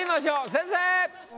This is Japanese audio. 先生！